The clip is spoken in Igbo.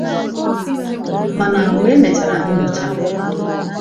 Mana mgbe e mechara nnyocha